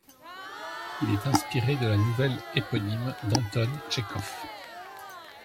Il est inspiré de la nouvelle éponyme d'Anton Tchekhov.